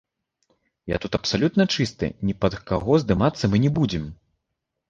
Я тут абсалютна чысты, ні пад каго здымацца мы не будзем.